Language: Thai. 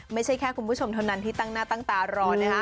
ไม่ใช่แค่คุณผู้ชมเท่านั้นที่ตั้งหน้าตั้งตารอนะคะ